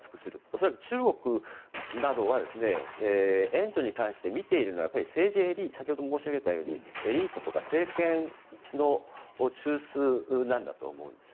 恐らく、中国などは援助に関して、見ているのは先ほども申し上げたようにエリートとか政権の中枢なんだと思うんです。